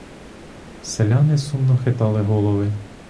Селяни сумно хитали голови.